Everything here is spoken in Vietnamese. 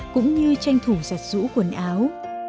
cũng như tranh thủ giặt rũ quần áo